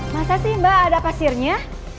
masa sih mbak ada pasirnya